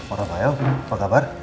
orang payah apa kabar